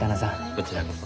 こちらこそ。